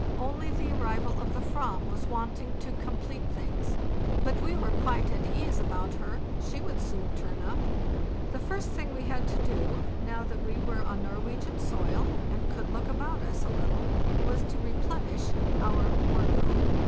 Only the arrival of the /vam was wanting to complete things; but we were quite at ease about her; she would soon turn up. The first thing we had to do, now that we were on Norwegian soil and could look about us a little, was to replenish our wardrobe.